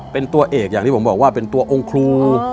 เป็นตัวเอกอย่างที่ผมบอกว่าเป็นตัวองค์ครู